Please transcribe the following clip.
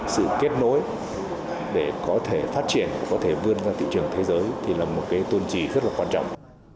sự kết nối để có thể phát triển và có thể vươn ra thị trường thế giới thì là một cái tôn trì rất là quan trọng